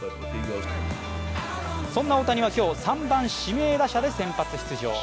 そんな大谷は今日、３番・指名打者で先発出場。